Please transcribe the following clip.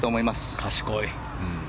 賢い。